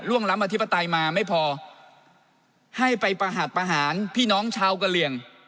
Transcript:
ล้ำอธิปไตยมาไม่พอให้ไปประหัสประหารพี่น้องชาวกะเหลี่ยง